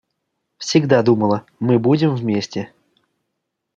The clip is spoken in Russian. Всегда думала, мы будем вместе.